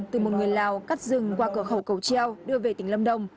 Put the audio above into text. từ một người lào cắt rừng qua cửa khẩu cầu treo đưa về tỉnh lâm đồng